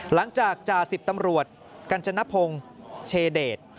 จากจ่าสิบตำรวจกัญจนพงศ์เชเดช